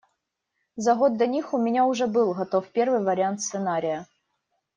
За год до них у меня уже был готов первый вариант сценария.